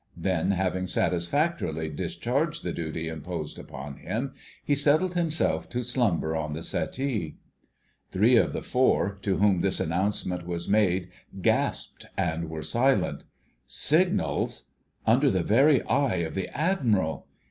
Then, having satisfactorily discharged the duty imposed upon him, he settled himself to slumber on the settee. Three of the four, to whom this announcement was made gasped and were silent. Signals! Under the very eye of the Admiral!